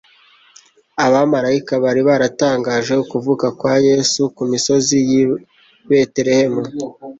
Abamaraika bari baratangaje ukuvuka kwa Yesu ku misozi y'i Betelehemu.